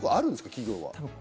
企業は。